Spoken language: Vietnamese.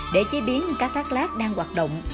để chế biến cá thác lát đang hoạt động